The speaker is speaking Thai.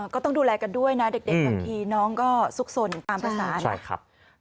ก็ต้องดูแลกันด้วยนะเด็กบางทีน้องก็ซุกสนตามภาษานะครับ